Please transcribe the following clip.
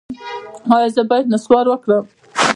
ایا زه باید نسوار وکړم؟